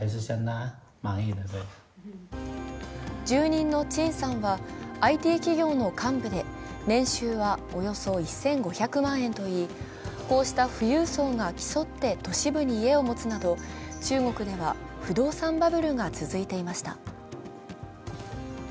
住人の陳さんはＩＴ企業の幹部で年収はおよそ１５００万円といい、こうした富裕層が競って都市部に家を持つなど、中国では不動産バブルが続いていました。